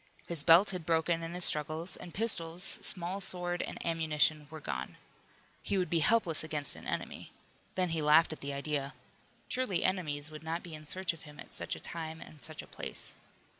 His belt had broken in his struggles, and pistols, small sword and ammunition were gone. He would be helpless against an enemy. Then he laughed at the idea. Surely enemies would not be in search of him at such a time and such a place.